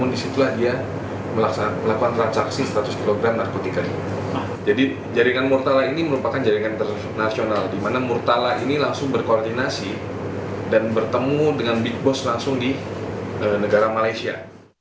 di mana murtala ini langsung berkoordinasi dan bertemu dengan big boss langsung di negara malaysia